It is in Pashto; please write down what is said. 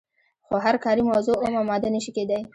خو هره کاري موضوع اومه ماده نشي کیدای.